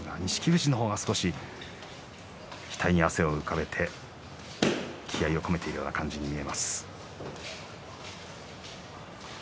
富士の方が少し額に汗を浮かべて気合いを込めているような感じに見えます。